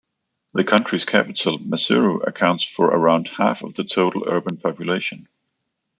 The country's capital, Maseru, accounts for around half of the total urban population.